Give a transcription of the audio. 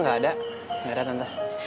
ngga gaada private entah